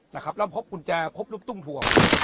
นะครับแล้วพบกุญแจพบรูปตุ้งถั่ว